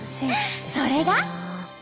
それが。